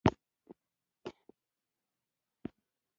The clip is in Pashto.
سور ږیریه دلته څۀ کوې؟